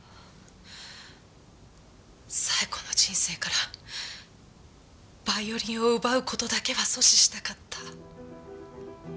冴子の人生からヴァイオリンを奪う事だけは阻止したかった。